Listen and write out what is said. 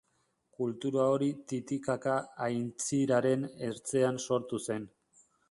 Kultura hori Titikaka aintziraren ertzean sortu zen.